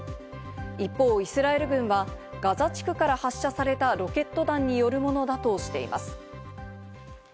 一方、イスラエル軍はガザ地区から発射されたロケット弾によるものだとしています。